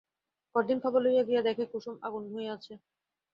পরদিন খবর লইতে গিয়া দেখে কুসুম আগুন হইয়া আছে।